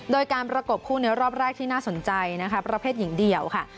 โดยการประกบคู่ในรอบแรกที่น่าสนใจนะคะประเภทหญิงเดี่ยวค่ะ